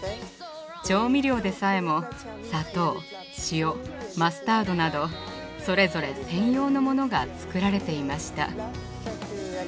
調味料でさえも砂糖塩マスタードなどそれぞれ専用のモノが作られていました。